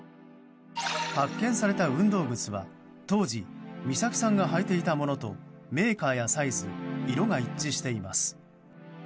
発見された運動靴は当時、美咲さんが履いていたものとメーカーやサイズ、色が一致しています。